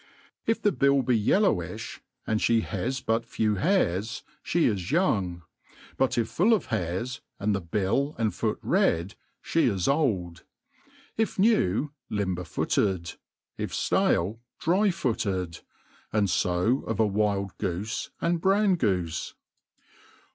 IF the bill be yellowKb, and fhe has but few hairs, /he IS young; but if full t)f hairs, and the bill and foot red, (hii is old; if new, 1 imber footed ; if ftale, dry* footed* And fo Off a wild goofe, and bran goofe.